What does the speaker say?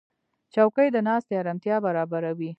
چوکۍ د ناستې آرامتیا برابروي.